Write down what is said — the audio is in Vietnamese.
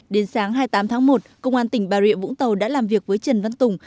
đến sáng hai mươi tám tháng một công an tỉnh bà rịa vũng tàu đã làm việc với trần văn tùng